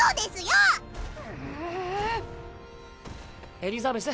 エリザベス。